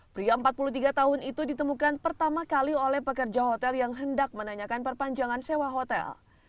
pria empat puluh tiga tahun itu ditemukan pertama kali oleh pekerja hotel yang hendak menanyakan perpanjangan sewa hotel